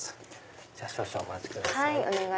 少々お待ちください。